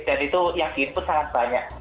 dan itu yang di input sangat banyak